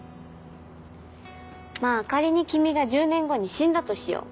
まあ仮に君が１０年後に死んだとしよう。